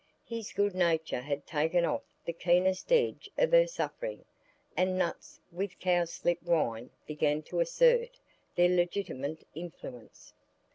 His good nature had taken off the keenest edge of her suffering, and nuts with cowslip wine began to assert their legitimate influence.